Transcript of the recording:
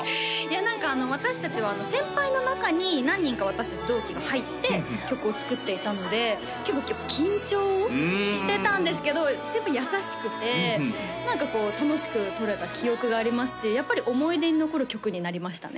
何か私達は先輩の中に何人か私達同期が入って曲を作っていたので結構緊張してたんですけど先輩優しくて何かこう楽しく撮れた記憶がありますしやっぱり思い出に残る曲になりましたね